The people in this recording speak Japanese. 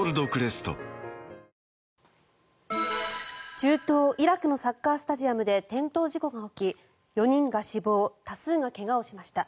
中東イラクのサッカースタジアムで転倒事故が起き、４人が死亡多数が怪我をしました。